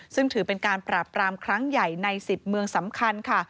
ซึ่งถือเป็นการปราบปรามครั้งใหญ่ใน๑๐เมืองสำคัญค่ะ